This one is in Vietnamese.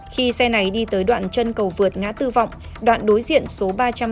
khi xe này đi tới đoạn chân cầu vượt ngã tư vọng đoạn đối diện số ba trăm năm mươi